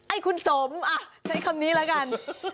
ไอ้คุณสมใช้คำนี้แล้วกัน